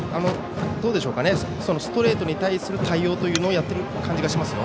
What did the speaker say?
ストレートに対する対応というのをやっている感じがしますよ。